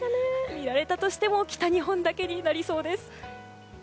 見られたとしても北日本だけになりそうです。